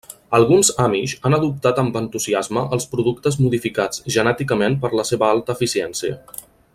Alguns amish han adoptat amb entusiasme els productes modificats genèticament per la seva alta eficiència.